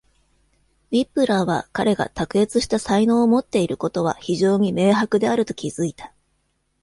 ウィップラーは、彼が卓越した才能を持っていることは非常に明白であると気付いた。